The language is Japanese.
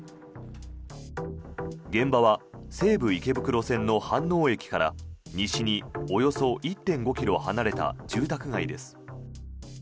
現場は西武池袋線の飯能駅から西におよそ１．５ｋｍ離れた住宅街です。